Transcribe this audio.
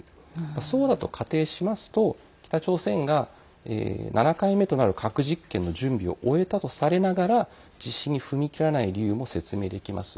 そうだと仮定しますと北朝鮮が７回目となる核実験の準備を終えたとされながら実施に踏み切らない理由も説明できます。